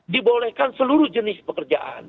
dibolehkan seluruh jenis pekerjaan